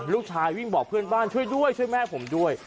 ลูกชายวิ่งบอกเพื่อนบ้านช่วยด้วยช่วยแม่ผมด้วย